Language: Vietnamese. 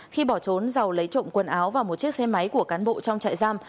khi bỏ trốn dầu lấy trộm quần áo và một chiếc xe máy của cán bộ trong trại giam